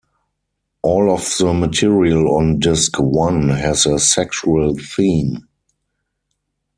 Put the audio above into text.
All of the material on Disc one has a sexual theme.